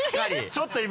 ちょっと今。